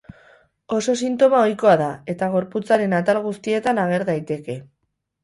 Oso sintoma ohikoa da, eta gorputzaren atal guztietan ager daiteke.